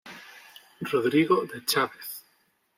Rodrigo de Chávez.